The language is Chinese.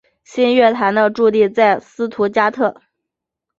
新乐团的驻地在斯图加特。